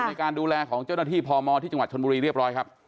ในการดูแลของเจ้าหน้าที่พมที่จังหวัดชนบุรีเรียบร้อยครับ